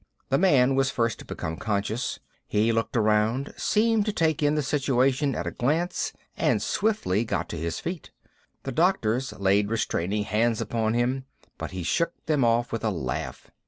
The man was first to become conscious. He looked around, seemed to take in the situation at a glance, and swiftly got to his feet. The doctors laid restraining hands upon him, but he shook them off with a laugh.